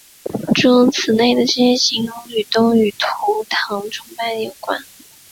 诸如此类的这些形容语都与图腾崇拜有关。